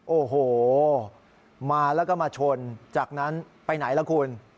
โอ้โหมาแล้วก็มาชนจากนั้นไปไหนล่ะคุณ